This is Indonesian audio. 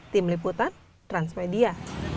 tim liputan transmedia